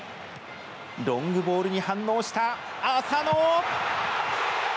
ロングボールに反応した浅野。